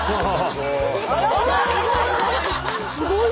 すごい！